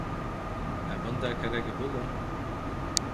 Ә бында кәрәге булыр.